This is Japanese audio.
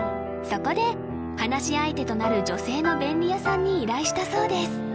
そこで話し相手となる女性の便利屋さんに依頼したそうです